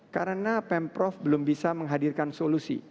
karena pemprov belum bisa menghadirkan solusi